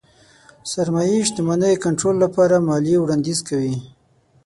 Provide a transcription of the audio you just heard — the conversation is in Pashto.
سرمايې شتمنۍ کنټرول لپاره ماليې وړانديز کوي.